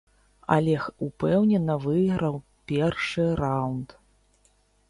Алег упэўнена выйграў першы раўнд.